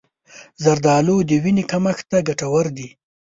زردآلو د وینې کمښت ته ګټور دي.